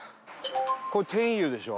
これ天悠でしょ？